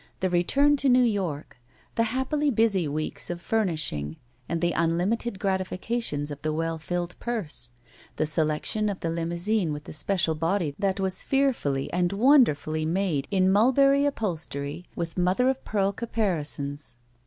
The return to New York. The happily busy weeks of furnishing and the unlimited gratifications of the well filled purse. The selection of the limouane with the special body that was fearfully and wonder fully made in mulberry upholstery with mother of pearl caparisons.